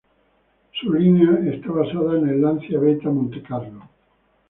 Su línea estaba basada en el Lancia Beta Montecarlo.